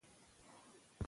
د رحمان بابا لاندې غزل